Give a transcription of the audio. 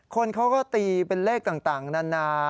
คนเขาก็ตีเป็นเลขต่างนานา